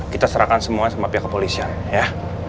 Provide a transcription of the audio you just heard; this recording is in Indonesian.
kita serahkan semua sama pihak kepolisian ya